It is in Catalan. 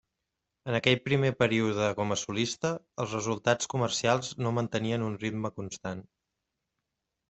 En aquell primer període com a solista, els resultats comercials no mantenien un ritme constant.